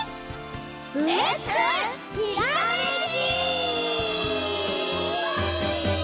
レッツひらめき！